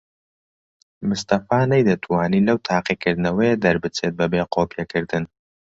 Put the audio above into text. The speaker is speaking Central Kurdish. مستەفا نەیدەتوانی لەو تاقیکردنەوەیە دەربچێت بەبێ قۆپیەکردن.